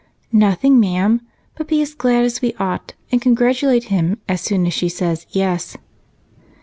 "Nothing, ma'am, but be as glad as we ought and congratulate him as soon as she says 'yes.'?